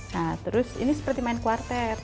nah terus ini seperti main quarter